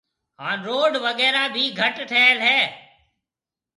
ھان روڊ وغيرھ ڀِي گھٽ ٺھيَََل ھيََََ